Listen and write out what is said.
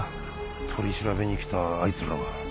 取り調べに来たあいつらは？